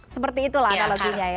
seperti itulah analoginya ya